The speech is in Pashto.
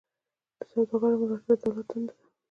د سوداګرو ملاتړ د دولت دنده ده